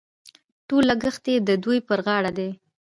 ټول لګښت یې د دوی پر غاړه دي.